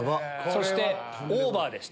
そしてオーバーでした。